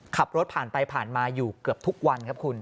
ขับรถผ่านไปผ่านมาอยู่เกือบทุกวันครับคุณ